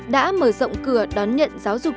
đã mở rộng cửa đón nhận giáo dục